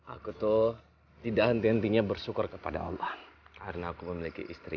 aku tuh tidak henti hentinya bersyukur kepada allah karena aku memiliki istri